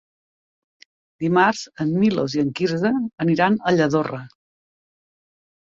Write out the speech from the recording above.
Dimarts en Milos i en Quirze aniran a Lladorre.